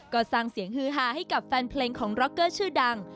ก็สร้างเสียงฮือฮาให้กับแฟนเพลงของร็อกเกอร์ชื่อดัง